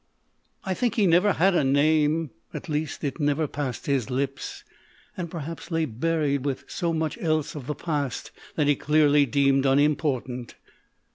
I think he never had a name â at least, it never passed his lips, and perhaps lay buried with so much else of the past that he clearly deemed unimportant.